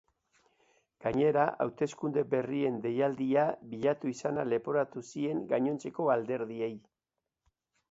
Gainera, hauteskunde berrien deialdia bilatu izana leporatu zien gainontzeko alderdiei.